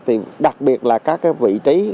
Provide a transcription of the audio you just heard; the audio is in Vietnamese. thì đặc biệt là các cái vị trí